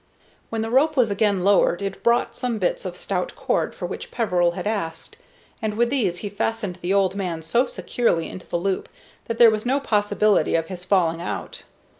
When the rope was again lowered it brought some bits of stout cord for which Peveril had asked, and with these he fastened the old man so securely into the loop that there was no possibility of his falling out.